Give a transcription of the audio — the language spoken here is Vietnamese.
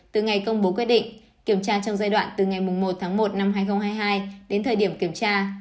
từ ngày công bố quyết định kiểm tra trong giai đoạn từ ngày một tháng một năm hai nghìn hai mươi hai đến thời điểm kiểm tra